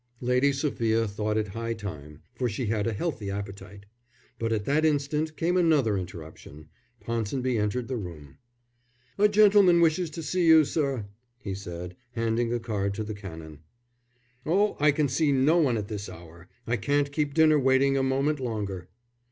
Lady Sophia thought it high time, for she had a healthy appetite. But at that instant came another interruption. Ponsonby entered the room. "A gentleman wishes to see you, sir," he said, handing a card to the Canon. "Oh, I can see no one at this hour. I can't keep dinner waiting a moment longer."